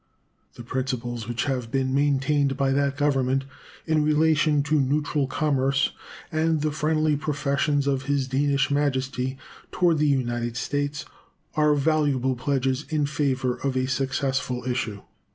The principles which have been maintained by that Government in relation to neutral commerce, and the friendly professions of His Danish Majesty toward the United States, are valuable pledges in favor of a successful issue.